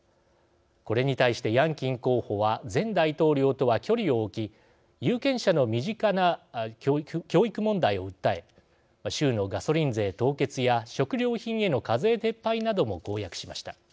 これに対してヤンキン候補は前大統領とは距離を置き有権者の身近な教育問題を訴え州のガソリン税凍結や食料品への課税撤廃なども公約しました。